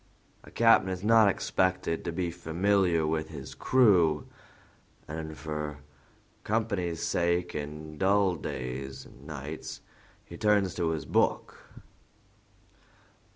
"A captain is not expected to be familiar with his crew, and for company's sake in dull days and nights he turns to his book.